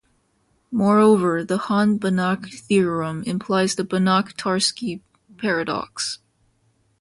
Moreover, the Hahn-Banach theorem implies the Banach-Tarski paradox.